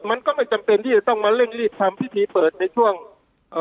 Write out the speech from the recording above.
มันก็ไม่จำเป็นที่จะต้องมาเร่งรีบทำพิธีเปิดในช่วงเอ่อ